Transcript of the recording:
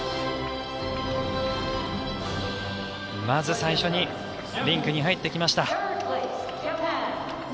まず最初にリンクに入ってきました。